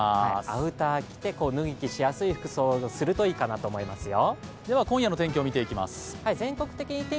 アウターを着て、脱ぎ着しやすい服装をするといいかなと思いますよ。